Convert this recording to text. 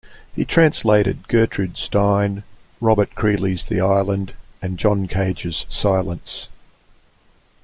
He translated Gertrude Stein, Robert Creeley's "The Island", and John Cage's "Silence".